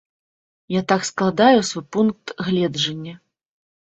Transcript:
Я так складаю свой пункт гледжання.